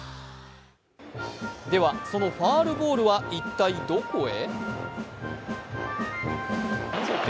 では、そのファウルボールは一体どこへ？